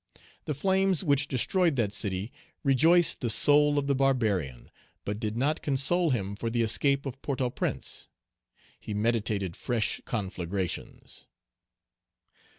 The flames which destroyed that city rejoiced the soul of the barbarian, but did not console him for the escape of Port au Prince; he meditated fresh conflagrations.